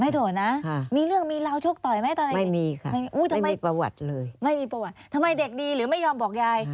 ทำไมเด็กดีหรือไม่ยอมบอกใย